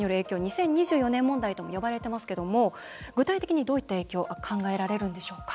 ２０２４年問題とも呼ばれてますけども具体的に、どういった影響考えられるんでしょうか。